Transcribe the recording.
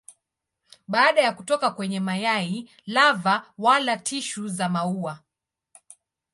Baada ya kutoka kwenye mayai lava wala tishu za maua.